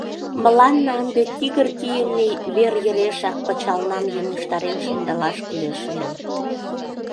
Мыланна ынде тигр кийыме вер йырешак пычалнам йӧнештарен шындылаш кӱлеш ыле.